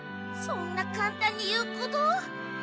そんなかんたんに言うこと？